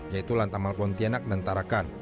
yaitu lantamal pontianak dan tarakan